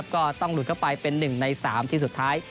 ก็ต้องหลุดเข้าไปเป็น๑ใน๓ที่สุดท้าย